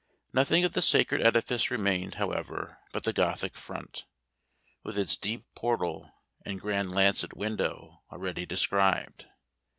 Nothing of the sacred edifice remained, however, but the Gothic front, with its deep portal and grand lancet window, already described.